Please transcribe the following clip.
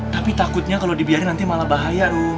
tapi takutnya kalau dibiarkan nanti malah bahaya rum